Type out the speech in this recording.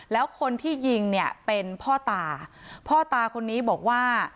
แล้วคนที่ยิงเนี่ยเป็นพ่อตาพ่อตาคนนี้บอกว่า